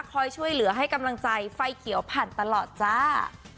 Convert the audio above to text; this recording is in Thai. คอยช่วยเหลือให้กำลังใจไฟเขียวผ่านตลอดจ้า